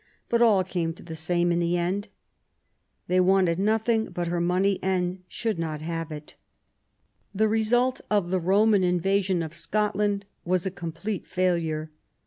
But all came to the same in the end. They wanted nothing but her money, and they should not have it." The result of the Roman invasion of Scotland was a complete failure.